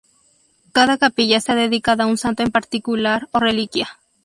Cada capilla está dedicada a un santo en particular o reliquia.